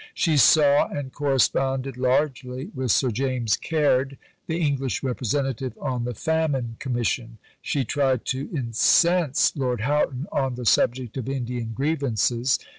She saw and corresponded largely with Sir James Caird, the English representative on the Famine Commission. She tried to incense Lord Houghton on the subject of Indian grievances.